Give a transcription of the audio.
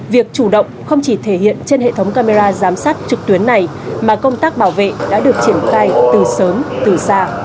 việc chủ động không chỉ thể hiện trên hệ thống camera giám sát trực tuyến này mà công tác bảo vệ đã được triển khai từ sớm từ xa